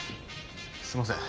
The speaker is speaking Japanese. すいません